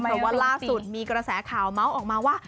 เพราะว่าล่าสุดมีกระแสข่าวเมาส์ออกมาว่า